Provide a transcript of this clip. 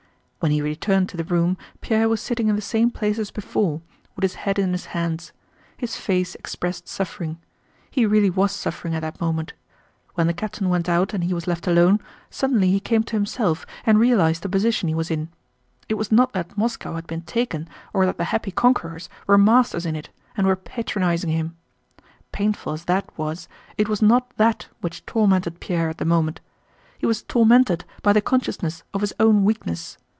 When he returned to the room Pierre was sitting in the same place as before, with his head in his hands. His face expressed suffering. He really was suffering at that moment. When the captain went out and he was left alone, suddenly he came to himself and realized the position he was in. It was not that Moscow had been taken or that the happy conquerors were masters in it and were patronizing him. Painful as that was it was not that which tormented Pierre at the moment. He was tormented by the consciousness of his own weakness.